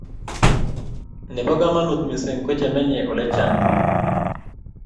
nebo kamangut mising ko chemenye eng ole chang bik